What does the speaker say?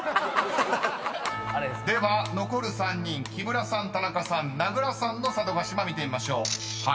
［では残る３人木村さん田中さん名倉さんの佐渡島見てみましょう］